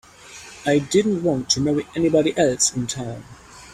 I didn't want to marry anybody else in town.